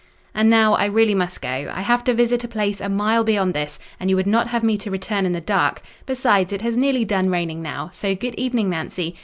"And now, I really must go. I have to visit a place a mile beyond this; and you would not have me to return in the dark: besides, it has nearly done raining now—so good evening, Nancy.